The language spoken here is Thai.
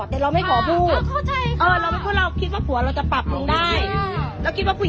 นี่ไม่ต้องเอาโซ่ไม่ต้องเอาโซ่